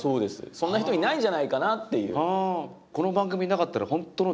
そんな人いないんじゃないかなっていう。